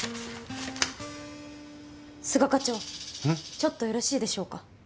ちょっとよろしいでしょうか。